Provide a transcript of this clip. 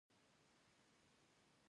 کلي د خلکو له اعتقاداتو سره تړاو لري.